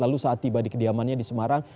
lalu saat tiba di kediamannya di semarang